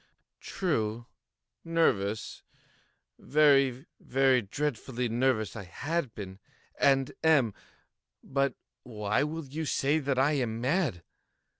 True!—nervous—very, very dreadfully nervous I had been and am; but why will you say that I am mad?